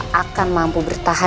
kuatkan semua misi